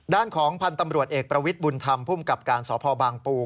ด้านของพันธ์ตำรวจเอกประวิทย์บุญธรรมภูมิกับการสพบางปู